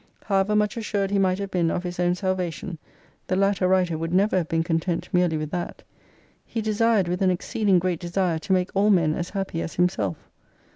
However much assured he might have been of his own salvation, the latter writer would never have been content merely with that. He desired with an exceeding great desire to make all men as happy as himself.